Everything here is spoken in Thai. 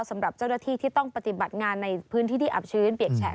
สำหรับเจ้าหน้าที่ที่ต้องปฏิบัติงานในพื้นที่ที่อับชื้นเปียกแฉะ